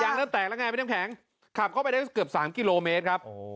เริ่มแตกแล้วไงพี่น้ำแข็งขับเข้าไปได้เกือบ๓กิโลเมตรครับ